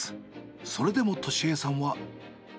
それでも俊恵さんは。